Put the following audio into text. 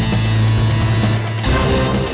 lo sudah bisa berhenti